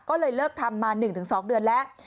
ก็เลยเลิกทำมา๑๒เดือนแล้ว